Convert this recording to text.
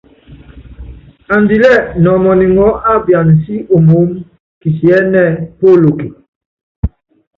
Andilɛ́ nɔmɔniŋɔɔ́ ápiana síomoómú, kisiɛ́nɛ́ polóke.